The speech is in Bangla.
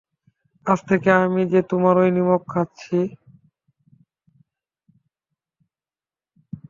আজ থেকে আমি যে তোমারই নিমক খাচ্ছি।